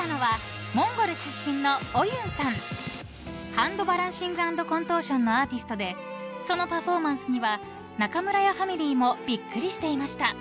［ハンドバランシング＆コントーションのアーティストでそのパフォーマンスには中村屋ファミリーもびっくりしていました］